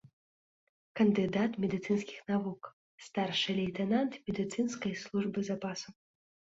Кандыдат медыцынскіх навук, старшы лейтэнант медыцынскай службы запасу.